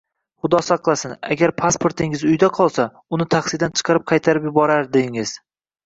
Xudo saqlasin, agar pasportingiz uyda qolsa, uni taksidan chiqarib qaytarib yuborardingiz